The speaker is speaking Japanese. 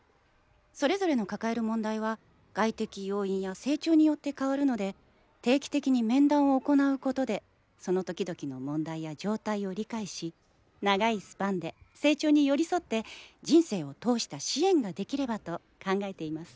それぞれの抱える問題は外的要因や成長によって変わるので定期的に面談を行うことでその時々の問題や状態を理解し長いスパンで成長に寄り添って人生を通した支援ができればと考えています。